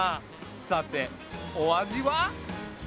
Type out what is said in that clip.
さてお味は？